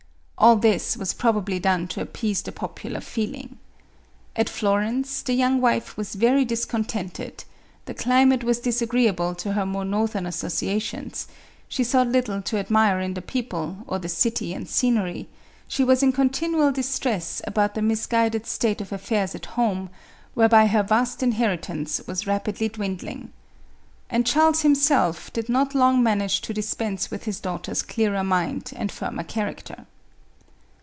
All this was probably done to appease the popular feeling. At Florence, the young wife was very discontented ; the climate was disagreeable to her more northern associations; she saw little to admire in the people, or the city and scenery ; she was in con tinual distress about the misguided state of affairs at home, whereby her vast inheritance was rapidly dwin dling. And Charles himself did not long manage to dispense with his daughter's clearer mind and firmer character.